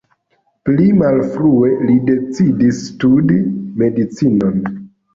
Pli malfrue li decidis studi medicinon.